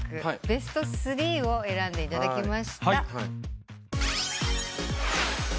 ベスト３を選んでいただきました。